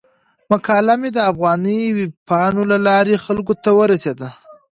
مقاله مې د افغاني ویبپاڼو له لارې خلکو ته ورسیده.